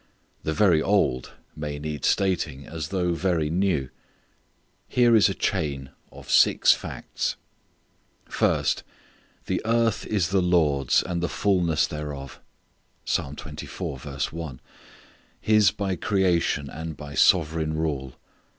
The very old may need stating as though very new. Here is a chain of six facts: First: The earth is the Lord's and the fullness thereof. His by creation and by sovereign rule.